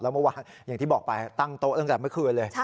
เมื่อวานอย่างที่บอกไปตั้งโต๊ะตั้งแต่เมื่อคืนเลย